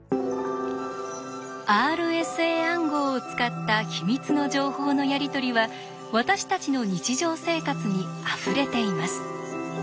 ＲＳＡ暗号を使った秘密の情報のやり取りは私たちの日常生活にあふれています。